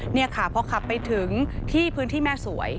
นี่ค่ะพอขับไปถึงที่พื้นที่แม่สวย